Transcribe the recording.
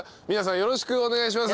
よろしくお願いします。